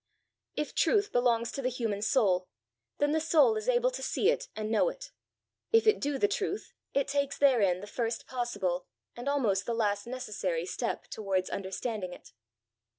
If truth belongs to the human soul, then the soul is able to see it and know it: if it do the truth, it takes therein the first possible, and almost the last necessary step towards understanding it.